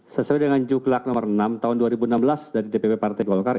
sesuai dengan juklak nomor enam tahun dua ribu enam belas dari dpp partai golkar